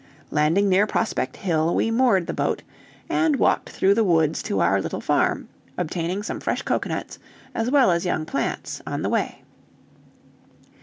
Landing near Prospect Hill, we moored the boat, and walked through the woods to our little farm, obtaining some fresh cocoanuts, as well as young plants, on the way.